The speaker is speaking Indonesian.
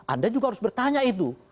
anda juga harus bertanya itu